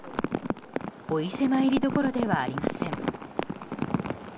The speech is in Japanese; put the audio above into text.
お伊勢参りどころではありません。